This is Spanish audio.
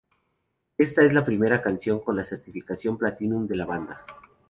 Esta es la primera canción con certificación platinum de la banda.